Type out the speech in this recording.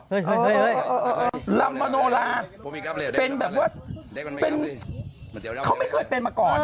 เฮ่ยรำมโนลาเป็นแบบว่าไม่เคยเป็นมาก่อน